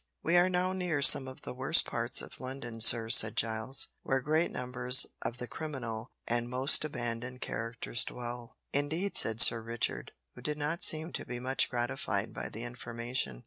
"We are now near some of the worst parts of London, sir," said Giles, "where great numbers of the criminal and most abandoned characters dwell." "Indeed," said Sir Richard, who did not seem to be much gratified by the information.